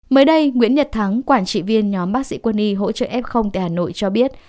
mới đây nguyễn nhật thắng quản trị viên nhóm bác sĩ quân y hỗ trợ f tại hà nội cho biết